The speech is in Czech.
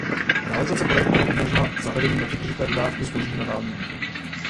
Realizace projektu by umožnila zavedení nepřetržité dodávky zboží na Dálný východ.